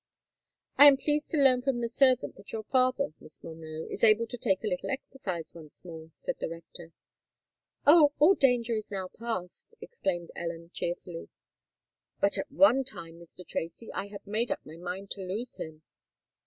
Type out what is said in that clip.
"I am pleased to learn from the servant that your father, Miss Monroe, is able to take a little exercise once more," said the rector. "Oh! all danger is now past," exclaimed Ellen cheerfully. "But at one time, Mr. Tracy, I had made up my mind to lose him."